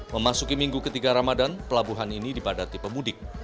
memasuki minggu ketiga ramadan pelabuhan ini dipadati pemudik